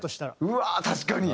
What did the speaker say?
うわー確かに。